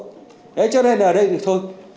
thế cho nên ở đây thì thôi